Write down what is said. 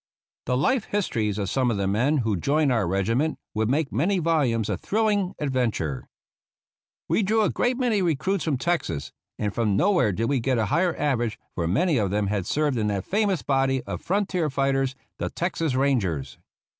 The life histories of some of the men who joined our regiment would make many volumes of thrilling adventure. We drew a great many recruits from Texas; and from nowhere did we get a higher average, for many of them had served in that famous body of frontier fighters, the Texas Rangers.